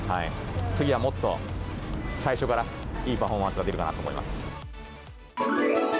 次はもっと、最初からいいパフォーマンスが出るかなと思います。